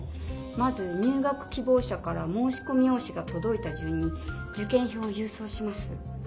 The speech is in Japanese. まず入学きぼう者から申しこみ用紙がとどいたじゅんに受験票をゆう送します。